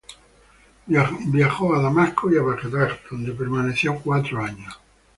Viajó a Damasco y Bagdad, donde permaneció cuatro años.